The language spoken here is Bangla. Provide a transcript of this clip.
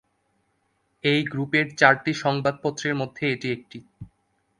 এই গ্রুপের চারটি সংবাদপত্রের মধ্যে এটি একটি।